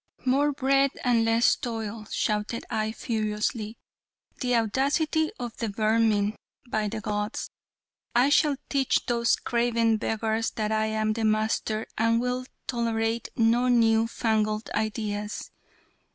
"More bread and less toil," shouted I furiously, "the audacity of the vermin! By the gods! I shall teach those craven beggars that I am the master and will tolerate no new fangled ideas.